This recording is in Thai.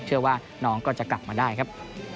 เชื่อว่าน้องก็จะกลับมาได้ครับ